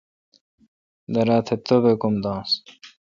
درا تہ توبک ام داںنس